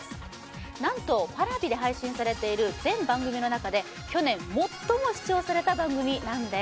なんとＰａｒａｖｉで配信されている全番組の中で去年最も視聴された番組なんです